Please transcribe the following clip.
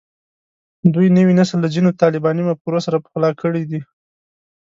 دوی نوی نسل له ځینو طالباني مفکورو سره پخلا کړی دی